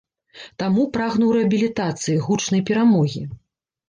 Таму прагнуў рэабілітацыі, гучнай перамогі.